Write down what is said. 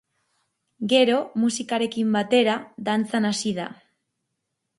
Gero, musikarekin batera, dantzan hasi da.